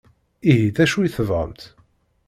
Ihi d acu i tebɣamt?